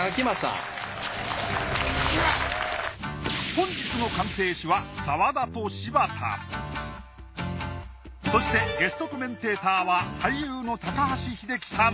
本日の鑑定士はそしてゲストコメンテーターは俳優の高橋英樹さん